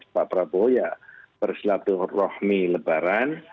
pak prabowo ya bersilaturahmi lebaran